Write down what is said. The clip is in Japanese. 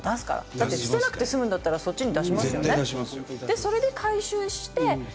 だって捨てなくて済むんだったらそっちに出しますよね？